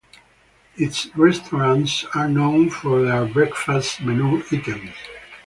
Its restaurants are known for their breakfast menu items.